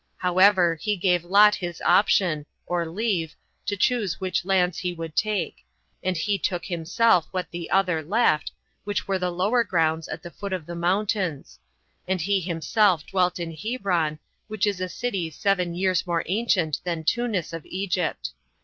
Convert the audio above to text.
However, he gave Lot his option, or leave, to choose which lands he would take; and he took himself what the other left, which were the lower grounds at the foot of the mountains; and he himself dwelt in Hebron, which is a city seven years more ancient than Tunis of Egypt.